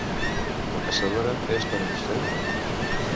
La caçadora és per a vostè?